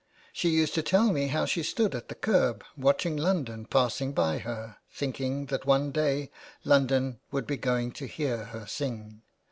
She used to tell me how she stood at the curb watching London passing by her, thinking that one day London would be going to hear her sing.